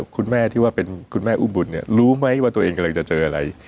คุณแม่ที่ว่าเป็นคุณแม่อุ้มบุญเนี่ยรู้ไหมว่าตัวเองกำลังจะเจออะไร